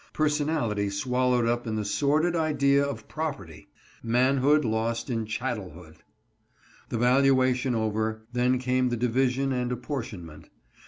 Personality swallowed up in the sordid idea of property ! Manhood lost in chattelhood ! The valuation over, then came the division and appor tionment.